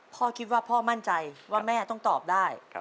พ่อคิดว่าพ่อมั่นใจว่าแม่ต้องตอบได้